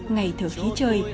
ngày thở khí trời